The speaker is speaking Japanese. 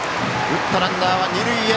打ったランナー、二塁へ。